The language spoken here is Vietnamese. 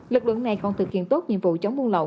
lực lượng này còn thực hiện tốt nhiệm vụ chống buôn lậu